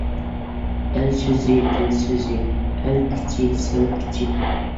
ئەل سۆزى — دىل سۆزى. ئەل كۈچى — سەل كۈچى.